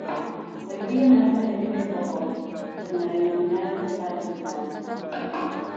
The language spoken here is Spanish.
El río nace al este de Popov, en la denominada estepa del Sal.